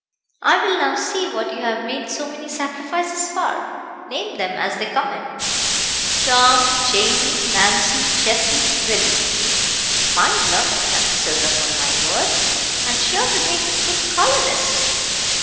"I will now see what you have made so many sacrifices for. Name them as they come in." "Tom, Jamie, Nancy, Jessie, Willie." "A fine lot of youngsters, upon my word, and sure to make good colonists."